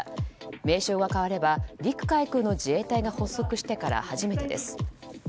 名称が変われば陸海空の自衛隊が発足してから初めてです。